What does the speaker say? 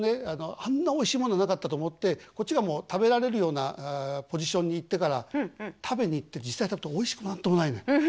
あんなおいしいものなかったと思ってこっちがもう食べられるようなポジションにいってから食べに行って実際食べてもおいしくも何ともないのよ。